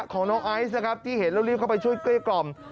ของน้องไอซ์นะครับที่เห็นแล้วรีบเข้าไปช่วยเกลี้กล่อม